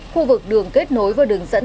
khu vực đường kết nối với đường dẫn